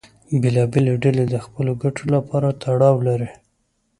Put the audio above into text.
بېلابېلې ډلې د خپلو ګټو لپاره تړاو لرلې.